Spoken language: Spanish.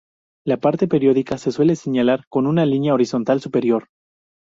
La parte periódica se suele señalar con una línea horizontal superior.